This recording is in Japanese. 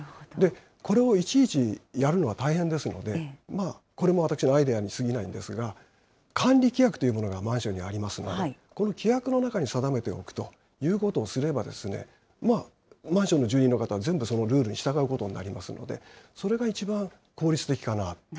これをいちいちやるのは大変ですので、これも私のアイデアにすぎないんですが、管理規約というものがマンションにはありますので、この規約の中に定めておくということをすれば、マンションの住民の方は全部そのルールに従うことになりますので、それが一番効率的かな。